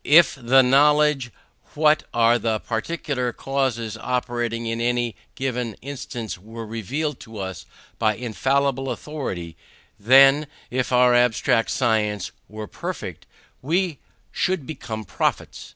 If the knowledge what are the particular causes operating in any given instance were revealed to us by infallible authority, then, if our abstract science were perfect, we should become prophets.